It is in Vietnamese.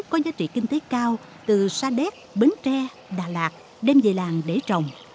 có giá trị kinh tế cao từ sa đéc bến tre đà lạt đem về làng để trồng